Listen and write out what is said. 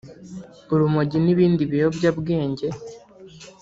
urumogi n’ibindi biyobyabwenge